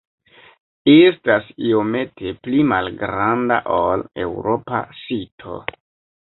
Estas iomete pli malgranda ol eŭropa sito.